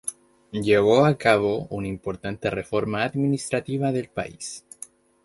Llevó a cabo una importante reforma administrativa del país.